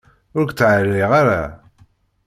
Ur k-ttɛerriɣ ara.